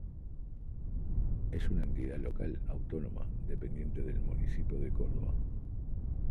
Es una Entidad Local Autónoma dependiente del municipio de Córdoba.